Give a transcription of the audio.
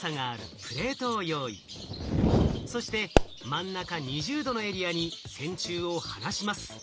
そして真ん中２０℃のエリアに線虫を放します。